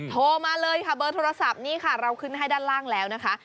โทรมาเลยค่ะเบอร์โทรศัพท์นี่ค่ะเราขึ้นให้ด้านล่างแล้วนะคะ